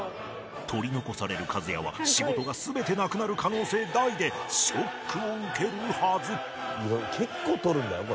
取り残されるかずやは仕事が全てなくなる可能性大でショックを受けるはず